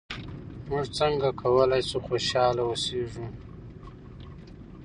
موږ څنګه کولای شو خوشحاله اوسېږو؟